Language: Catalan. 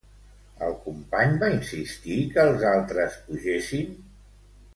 El company va insistir que els altres pugessin?